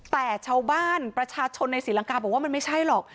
แต่ชาวบ้านประชาชนในศรีลังกาบอกว่ามันไม่ใช่หรอก